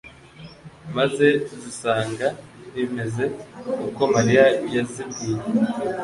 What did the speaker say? maze zisanga bimeze uko Mariya yazibwiye